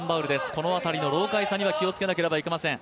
この辺りの老かいさには気をつけないといけません。